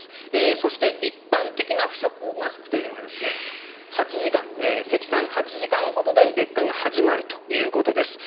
そして一般的な不織布マスクというのは積算８時間ほどで劣化が始まるということです。